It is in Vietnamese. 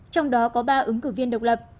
trong đó có ba ứng cử viên độc lập